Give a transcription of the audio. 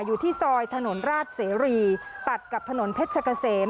อยู่ที่ซอยถนนราชเสรีตัดกับถนนเพชรกะเสม